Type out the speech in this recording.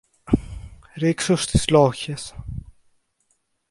Ρίξου στις λόγχες